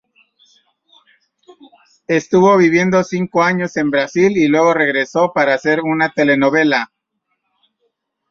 Estuvo viviendo cinco años en Brasil y luego regresó para hacer una telenovela.